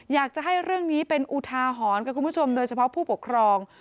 อยากจะให้เรื่องนี้เป็นอุทาหรณ์กับคุณผู้ชมโดยเฉพาะผู้ปกครอง